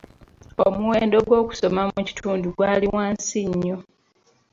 Omuwendo gw'okusoma mu kitundu gwali wansi nnyo.